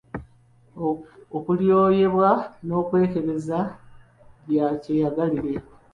Okulyoyebwa n’okwekebeza bya kyeyagalire.